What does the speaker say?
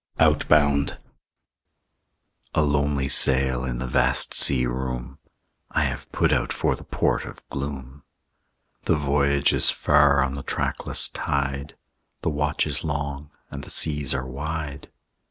OUTBOUND A lonely sail in the vast sea room, I have put out for the port of gloom. The voyage is far on the trackless tide, The watch is long, and the seas are wide.